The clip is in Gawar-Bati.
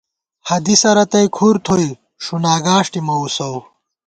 حدیثہ رتئی کُھر تھوئی ݭُنا گاݭٹےنہ وُسَؤ